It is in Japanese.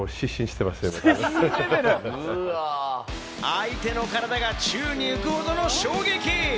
相手の体が宙に浮くほどの衝撃。